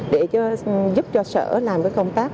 để giúp cho sở làm công tác